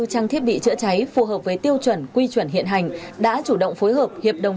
trang thiết bị chữa cháy phù hợp với tiêu chuẩn quy chuẩn hiện hành đã chủ động phối hợp hiệp đồng